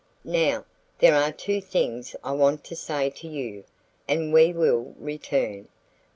"Now, there are two things I want to say to you, and we will return.